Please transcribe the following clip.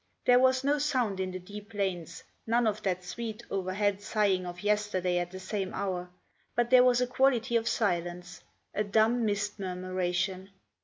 There was no sound in the deep lanes, none of that sweet, overhead sighing of yesterday at the same hour, but there was a quality of silence—a dumb mist murmuration.